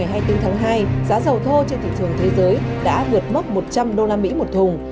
ngày hai mươi bốn tháng hai giá dầu thô trên thị trường thế giới đã vượt mốc một trăm linh đô la mỹ một thùng